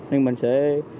nên mình sẽ